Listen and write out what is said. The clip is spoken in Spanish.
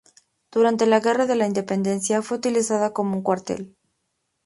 Durante la Guerra de la Independencia fue utilizada como un cuartel.